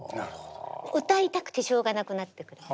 歌いたくてしょうがなくなってる。